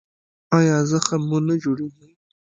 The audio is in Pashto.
ایا زخم مو نه جوړیږي؟